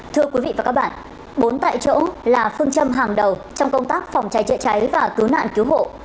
thưa quý vị và các bạn bốn tại chỗ là phương châm hàng đầu trong công tác phòng trái trịa trái và cứu nạn cứu hộ